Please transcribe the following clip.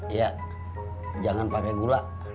iya jangan pakai gula